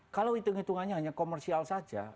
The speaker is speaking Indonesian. kalau hitung hitungannya hanya komersial saja